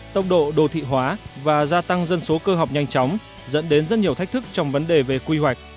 tốc độ đô thị hóa và gia tăng dân số cơ học nhanh chóng dẫn đến rất nhiều thách thức trong vấn đề về quy hoạch